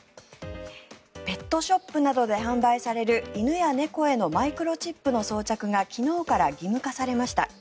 ペットショップなどで販売される犬や猫へのマイクロチップの装着が昨日から義務化されました。